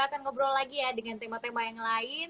akan ngobrol lagi ya dengan tema tema yang lain